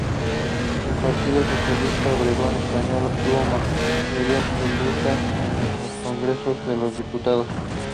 El Partido Socialista Obrero Español obtuvo mayoría absoluta en el Congreso de los Diputados.